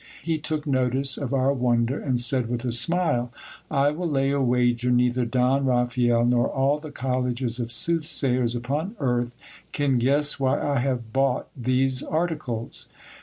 He took notice of our wonder, and said with a smile : I will lay a wager, neither Don Raphael nor all the colleges of soothsayers upon earth can guess why I have bought these articles.